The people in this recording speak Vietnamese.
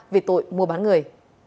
về tội mua bán người